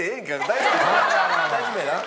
大丈夫やな？